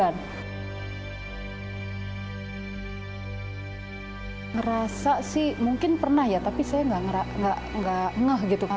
ngerasa sih mungkin pernah ya tapi saya nggak ngeh gitu kan